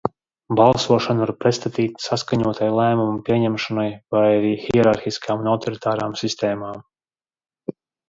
Balsošanu var pretstatīt saskaņotai lēmumu pieņemšanai vai arī hierarhiskām un autoritātām sistēmam.